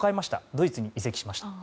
ドイツに移籍しました。